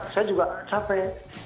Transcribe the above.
saya juga capek